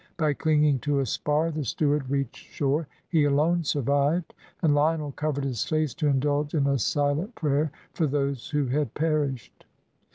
By clinging to a spar the steward reached shore. He alone survived"; and Lionel covered his face to indulge in a silent prayer for those who had perished.